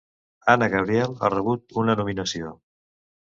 Ana Gabriel ha rebut una nominació.